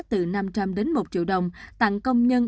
từ năm trăm linh đến một triệu đồng tặng công nhân